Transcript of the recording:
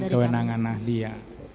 bukan kewenangan ahli ya